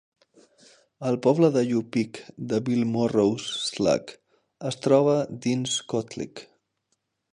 El poble de Yupik de Bill Moore's Slough es troba dins Kotlik.